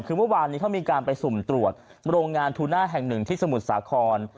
คือเมื่อวานนี้เขามีการไปสุ่มตรวจโรงงานทูน่าแห่งหนึ่งที่สมุทรสาคร